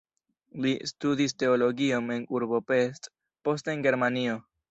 Li studis teologion en urbo Pest, poste en Germanio.